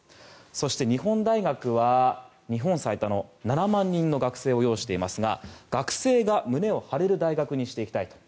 そして、日本大学は日本最多の７万人の学生を擁していますが学生が胸を張れる大学にしていきたいと。